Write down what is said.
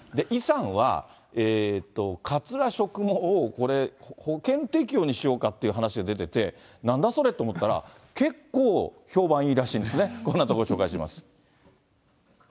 イさんは、かつら植毛を保険適用にしようかっていう話が出てて、なんだそれ？って思ったら、結構、評判いいらしいんですね、そんなとこ、紹介します。